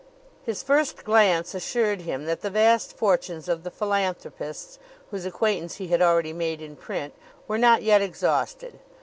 His first glance assured him that the vast fortunes of the philanthropists, whose acquaintance he had already made in print, were not yet exhausted.